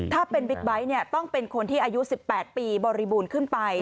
ถ้าเป็นบิ๊กไบท์ต้องเป็นคนที่อายุ๑๘ปีบริบูรณ์ขึ้นไป